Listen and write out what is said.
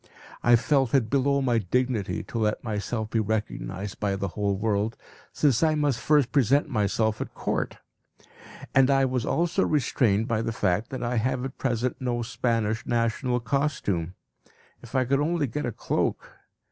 I felt it below my dignity to let myself be recognised by the whole world, since I must first present myself at court. And I was also restrained by the fact that I have at present no Spanish national costume. If I could only get a cloak!